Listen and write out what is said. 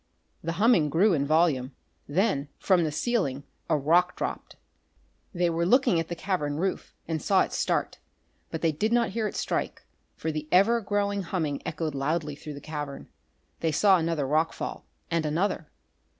The humming grew in volume. Then, from the ceiling, a rock dropped. They were looking at the cavern roof and saw it start, but they did not hear it strike, for the ever growing humming echoed loudly through the cavern. They saw another rock fall; and another.